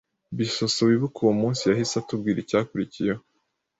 Bisosso wibuka uwo munsi yahise atubwira icyakurikiyeho,